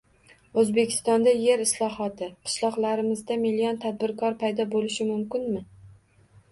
O‘zbekistonda yer islohoti — qishloqlarimizda million tadbirkor paydo bo‘lishi mumkinmi?